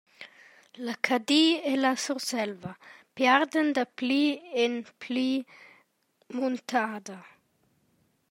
La Cadi e la Surselva piardan da pli en pli muntada.